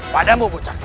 padamu bocah ini